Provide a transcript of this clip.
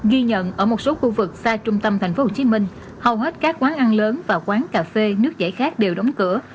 ghi nhận ở một số khu vực xa trung tâm tp hcm hầu hết các quán ăn lớn và quán cà phê nước giải khát đều đóng cửa